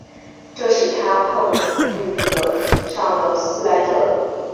这使他碰遇上了斯莱特。